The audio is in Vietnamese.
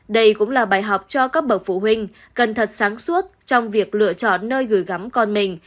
đây cũng là bài học cho các bậc phụ huynh cần thật sáng suốt trong việc lựa chọn nơi gửi gắm con mình